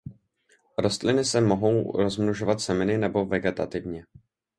Rostliny se mohou rozmnožovat semeny nebo vegetativně.